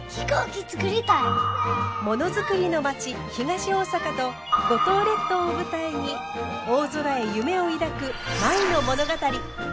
ものづくりの町東大阪と五島列島を舞台に大空へ夢を抱く舞の物語。